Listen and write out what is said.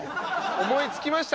思いつきました？